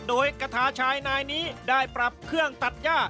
โดยกระทาชายนายนี้ได้ปรับเครื่องตัดย่า